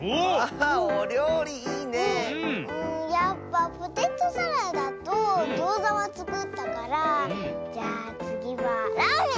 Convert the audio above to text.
うんやっぱポテトサラダとギョーザはつくったからじゃあつぎはラーメン！